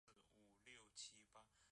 受害幸存者赴日起诉时使用的护照